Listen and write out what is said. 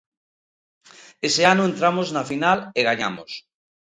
Ese ano entramos na final e gañamos.